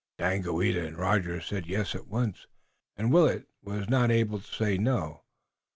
Daganoweda and Rogers said yes at once, and Willet was not able to say no.